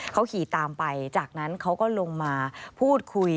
เขาขี่ตามไปจากนั้นเขาก็ลงมาพูดคุย